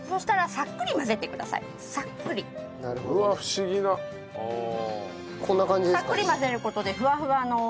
さっくり混ぜる事でふわふわの。